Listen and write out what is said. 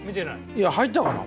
いや入ったがな。